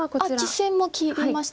実戦も切りましたか。